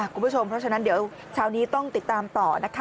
คุณผู้ชมเพราะฉะนั้นเดี๋ยวเช้านี้ต้องติดตามต่อนะคะ